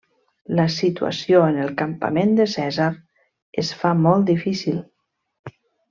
La situació en el campament de Cèsar es fa molt difícil.